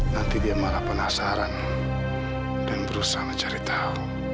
nanti dia malah penasaran dan berusaha mencari tahu